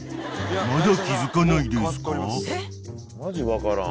［まだ気付かないですか？］